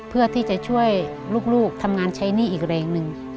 เพื่อที่จะช่วยลูกทำงานใช้หนี้อีกแรงหนึ่ง